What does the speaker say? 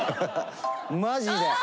マジで。